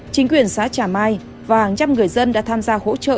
chính quyền xã trà mai và hàng trăm người dân đã tham gia hỗ trợ